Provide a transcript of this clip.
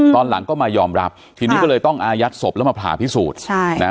ตอนหลังก็มายอมรับทีนี้ก็เลยต้องอายัดศพแล้วมาผ่าพิสูจน์